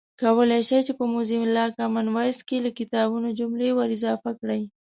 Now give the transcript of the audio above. کولای شئ چې په موزیلا کامن وایس کې له کتابونو جملې ور اضافه کړئ